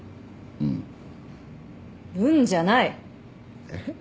「うん」じゃない！えっ？